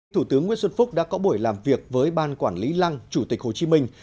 thủ tướng nguyễn xuân phúc đã có buổi làm việc với ban quản lý lăng chủ tịch hồ chí minh